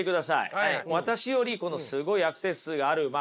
私よりこのすごいアクセス数があるま